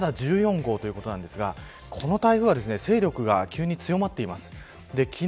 まだ１４号ということなんですがこの台風は勢力が急に強まっています。